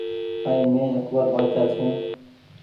ائين مينٚ اڪبر بآڇآ ڇوٚنٚ